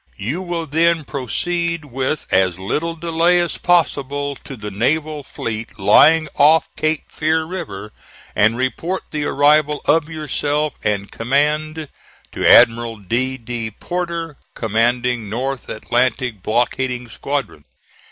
You will then proceed with as little delay as possible to the naval fleet lying off Cape Fear River, and report the arrival of yourself and command to Admiral D. D. Porter, commanding North Atlantic Blockading Squadron.